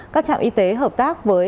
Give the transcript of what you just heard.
các trạm y tế hợp tác với